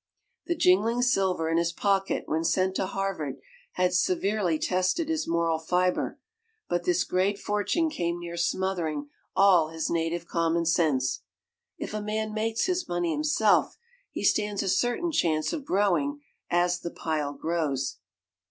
The jingling silver in his pocket when sent to Harvard had severely tested his moral fiber, but this great fortune came near smothering all his native commonsense. If a man makes his money himself, he stands a certain chance of growing as the pile grows.